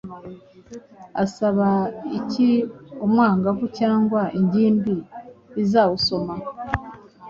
asaba iki umwangavu cyangwa ingimbi izawusoma?